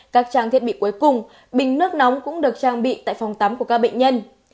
các trang thiết bị cuối cùng bình nước nóng cũng được trang bị tại phòng tắm của các bệnh nhân